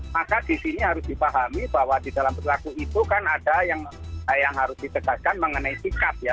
maka di sini harus dipahami bahwa di dalam perilaku itu kan ada yang harus ditegaskan mengenai sikap ya